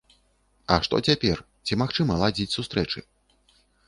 А што цяпер, ці магчыма ладзіць сустрэчы?